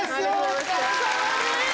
お疲れさまです。